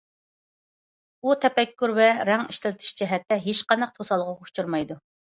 ئۇ تەپەككۇر ۋە رەڭ ئىشلىتىش جەھەتتە ھېچقانداق توسالغۇغا ئۇچرىمايدۇ.